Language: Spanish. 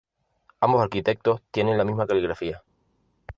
Ambos arquitectos tienen la misma caligrafía.